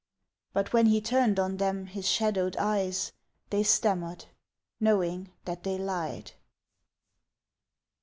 But when he turned on them His shadowed eyes They stammered Knowing that they lied!